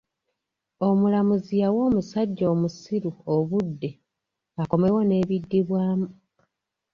Omulamuzi yawa omusajja omusiru obudde akomewo n'ebidibwamu.